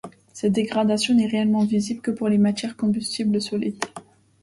Cette dégradation n'est réellement visible que pour les matières combustibles solides.